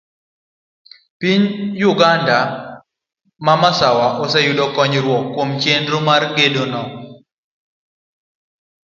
Piny Uganda ma masawa oseyudo konyruok kuom chenro mar gedono.